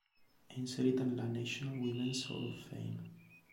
È inserita nella National Women's Hall of Fame.